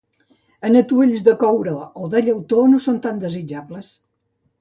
En atuells de coure o de llautó no són tan desitjables.